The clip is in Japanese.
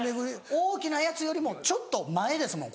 大きなやつよりもちょっと前ですもん